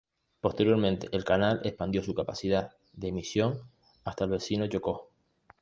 Posteriormente el canal expandió su capacidad de emisión hasta el vecino Chocó.